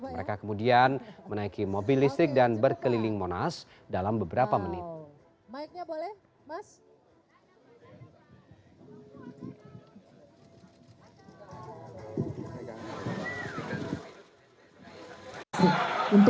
mereka kemudian menaiki mobil listrik dan berkeliling monas dalam beberapa menit